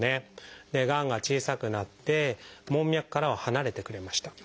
がんが小さくなって門脈からは離れてくれました。